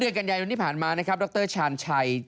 โดยกันยังอยุ่นที่ผ่านมานะครับดรชันชัย